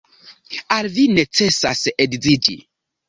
Al vi necesas edziĝi.